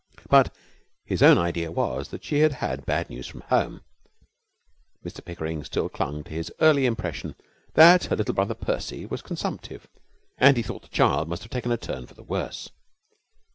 But his own idea was that she had had bad news from home. Mr Pickering still clung to his early impression that her little brother Percy was consumptive, and he thought the child must have taken a turn for the worse.